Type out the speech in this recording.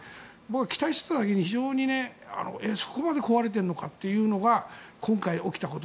期待していただけに非常にそこまで壊れているのかというのが今回、起きたこと。